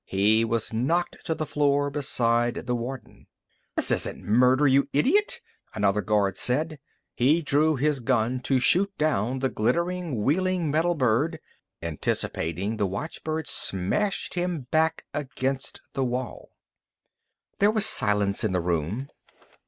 He was knocked to the floor beside the warden. "This isn't murder, you idiot!" another guard said. He drew his gun to shoot down the glittering, wheeling metal bird. Anticipating, the watchbird smashed him back against the wall. There was silence in the room.